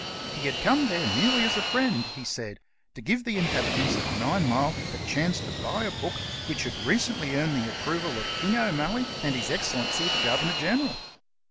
He had come there merely as a friend, he said, to give the Inhabitants of Ninemile a chance to buy a book which had recently earned the approval of King O'Malley and His Excellency the Governor General.